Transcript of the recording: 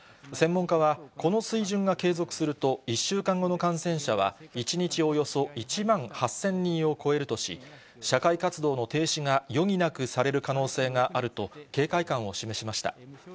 専門家は、この水準が継続すると、１週間後の感染者は、１日およそ１万８０００人を超えるとし、社会活動の停止が余儀なくされる可能性があると、警戒感を示しました。